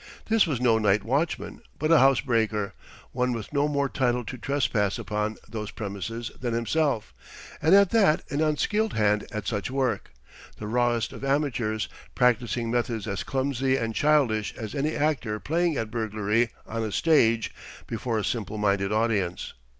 This was no night watchman, but a housebreaker, one with no more title to trespass upon those premises than himself; and at that an unskilled hand at such work, the rawest of amateurs practising methods as clumsy and childish as any actor playing at burglary on a stage before a simple minded audience.